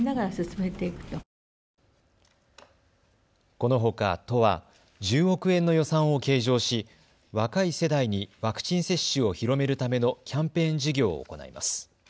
このほか都は１０億円の予算を計上し若い世代にワクチン接種を広めるためのキャンペーン事業を行います。